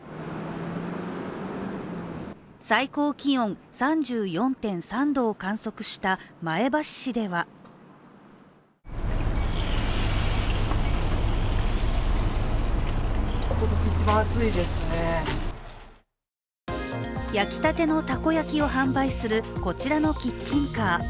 最高気温３４．３度を観測した前橋市では焼きたてのたこ焼きを販売するこちらのキッチンカー。